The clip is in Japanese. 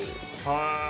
へえ。